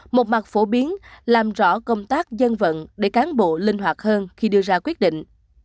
một mặt phổ biến làm rõ công tác dân vận để cán bộ linh hoạt hơn khi đưa ra quyết định